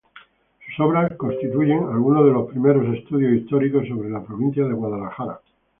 Sus obras constituyen algunos de los primeros estudios históricos sobre la provincia de Guadalajara.